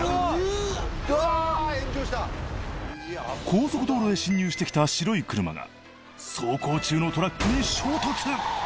高速道路へ侵入してきた白い車が走行中のトラックに衝突